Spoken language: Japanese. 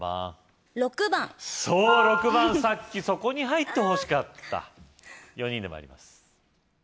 ６番そう６番さっきそこに入ってほしかった４人で参ります